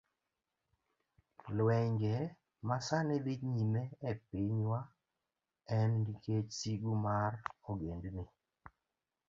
Lwenje ma sani dhi nyime e pinywa, en nikech sigu mar ogendni